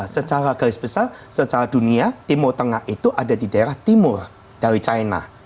secara garis besar secara dunia timur tengah itu ada di daerah timur dari china